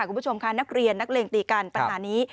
คุณผู้ชมค่ะนักเรียนนักเลงตีกันปัญหานี้